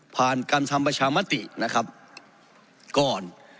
การทำประชามตินะครับก่อน